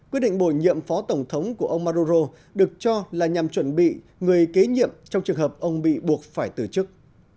quyết định bổ nhiệm phó tổng thống của ông maduro được cho là nhằm chuẩn bị người kế nhiệm trong trường hợp ông bị buộc phải từ chức